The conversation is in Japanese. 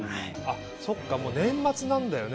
そっかもう年末なんだよね。